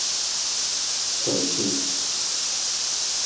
從前